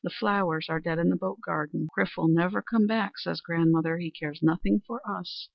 The flowers are dead in the boat garden. 'Chrif will never come back,' says grandmother, 'he cares nothing for us.'"